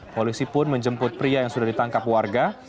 polisi pun menjemput pria yang sudah ditangkap warga